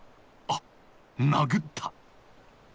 あっ殴った！